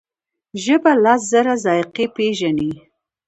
ژبه لس زره ذایقې پېژني.